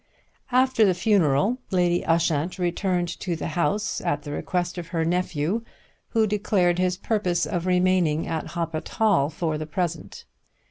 After the funeral, Lady Ushant returned to the house at the request of her nephew, who declared his purpose of remaining at Hoppet Hall for the present.